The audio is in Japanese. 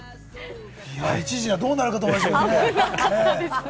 一時はどうなるかと思いましたね。